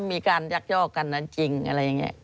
มีการยักยอกกันจริงอะไรอย่างนี้